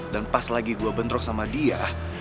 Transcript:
dan pas lagi gue bentrok sama dia